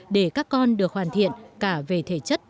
để các con được hoàn thiện cả về thể chất tâm hồn